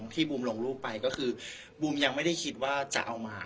ที่บูมลงรูปไปก็คือบูมยังไม่ได้คิดว่าจะเอามา